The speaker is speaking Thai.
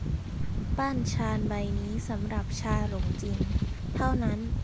ป้านชาใบนี้สำหรับชาหลงจิ่งเท่านั้น